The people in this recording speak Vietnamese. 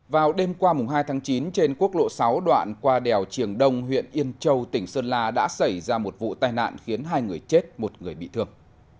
vào đêm qua hai tháng chín trên quốc lộ sáu đoạn qua đèo triềng đông huyện yên châu tỉnh sơn la đã xảy ra một vụ tai nạn khiến hai người chết một người bị thương